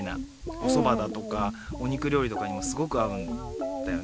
おそばだとかおにくりょうりとかにもすごくあうんだよね